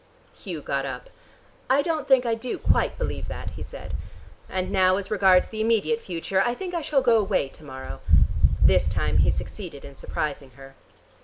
Hugh got up. "I don't think I do quite believe that," he said. "And now as regards the immediate future. I think I shall go away to morrow." This time he succeeded in surprising her.